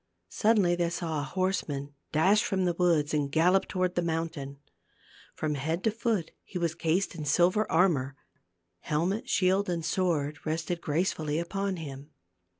Suddenly they saw a horseman dash from the woods and gallop toward the mountain. From head to foot he was cased in silver armor ; helmet, shield and sword rested gracefully upon him.